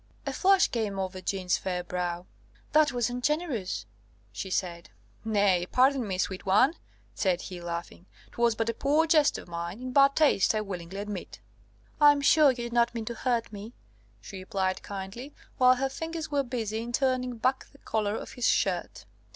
A flush came over Jeanne's fair brow. "That was ungenerous," she said. "Nay, pardon me, sweet one," said he, laughing: "'twas but a poor jest of mine in bad taste, I willingly admit." [Illustration: "Nay pardon me, sweet one, 'twas but a jest of mine."] "I was sure you did not mean to hurt me," she replied kindly, while her fingers were busy in turning back the collar of his shirt.